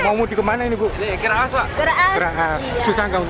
wuh bisa banget